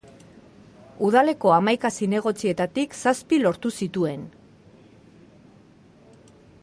Udaleko hamaika zinegotzietatik zazpi lortu zituen.